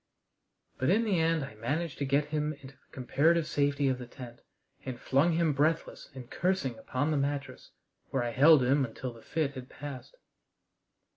But in the end I managed to get him into the comparative safety of the tent, and flung him breathless and cursing upon the mattress, where I held him until the fit had passed.